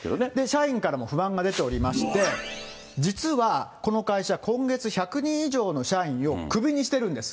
社員からも不満が出ておりまして、実はこの会社、今月１００人以上の社員をクビにしてるんです。